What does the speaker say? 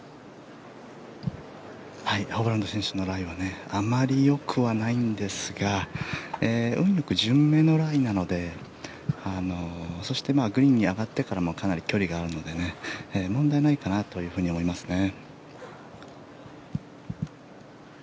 ホブラン選手のライはあまりよくはないんですが運よく順目のライなのでそしてグリーンに上がってからもかなり距離があるので問題ないかなと思いますね。